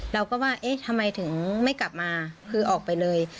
เราก็ว่าเอ๊ะทำไมถึงไม่กลับมาคือออกไปเลย